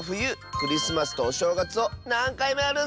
クリスマスとおしょうがつをなんかいもやるッス！